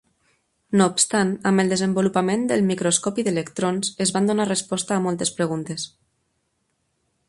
No obstant, amb el desenvolupament del microscopi d'electrons, es van donar resposta a moltes preguntes.